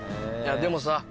でもさ